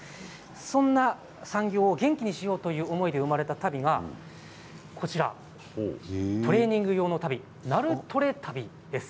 そんな産業を元気にしようという思いで生まれた足袋がトレーニング用の足袋、ナルトレタビです。